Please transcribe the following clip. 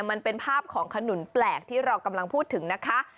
มันเป็นภาพของขนุนแปลกที่เรากำลังพูดถึงนะคะ